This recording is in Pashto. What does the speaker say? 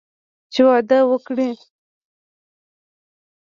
چې واده وکړي.